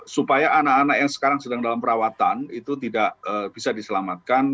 supaya anak anak yang sekarang sedang dalam perawatan itu tidak bisa diselamatkan